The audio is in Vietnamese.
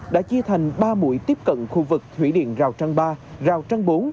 đã chia thành ba mũi tiếp cận khu vực thủy điện rào trang ba rào trang bốn